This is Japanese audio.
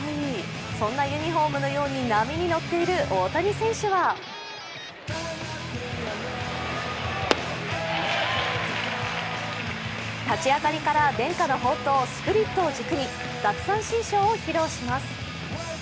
そんなユニフォームのように波に乗っている大谷選手は立ち上がりから伝家の宝刀・スプリットを軸に奪三振ショーを披露します。